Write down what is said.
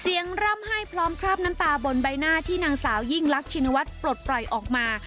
ร่ำไห้พร้อมคราบน้ำตาบนใบหน้าที่นางสาวยิ่งลักชินวัฒน์ปลดปล่อยออกมา